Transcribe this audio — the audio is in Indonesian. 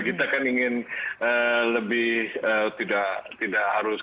kita kan ingin lebih utipisasi